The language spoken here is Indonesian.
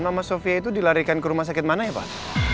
nama sofia itu dilarikan ke rumah sakit mana ya pak